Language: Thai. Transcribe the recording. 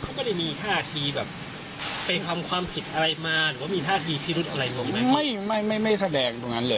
เขาไม่ได้มีท่าทีแบบไปทำความผิดอะไรมาหรือว่ามีท่าทีพิรุธอะไรลงไหมไม่ไม่ไม่แสดงตรงนั้นเลย